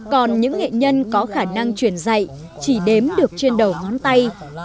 còn những nghệ nhân có khả năng truyền dạy chỉ đếm được trên đầu ngón tay